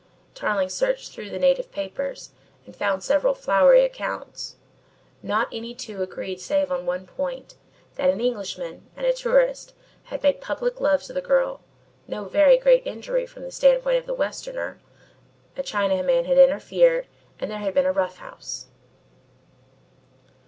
Tarling searched through the native papers and found several flowery accounts, not any two agreed save on one point, that an Englishman, and a tourist, had made public love to the girl, no very great injury from the standpoint of the Westerner, a Chinaman had interfered and there had been a "rough house."